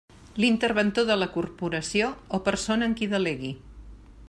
L'Interventor de la Corporació o persona en qui delegui.